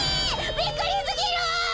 びっくりすぎる！